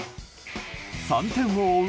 ３点を追う